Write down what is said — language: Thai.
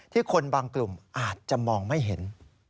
คนบางกลุ่มอาจจะมองไม่เห็น